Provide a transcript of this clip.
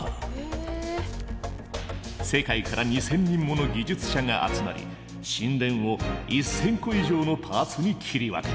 世界から２，０００人もの技術者が集まり神殿を１，０００個以上のパーツに切り分けた。